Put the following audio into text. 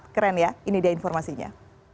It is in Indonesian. keren ya ini dia informasinya